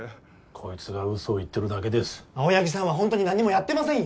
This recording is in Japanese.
こいつがウソを言ってるだけです青柳さんはホントに何もやってませんよ！